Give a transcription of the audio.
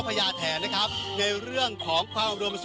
มันอาจจะเป็นแก๊สธรรมชาติค่ะ